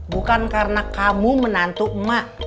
bukan karena kamu menantu emak